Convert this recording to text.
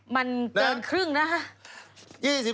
มันเกินครึ่งนะคะ